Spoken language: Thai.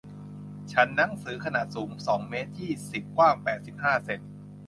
ชั้นหนังสือขนาดสูงสองเมตรยี่สิบ กว้างแปดสิบห้าเซ็น